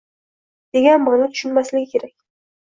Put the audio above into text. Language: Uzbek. degan ma’no tushunilmasligi kerak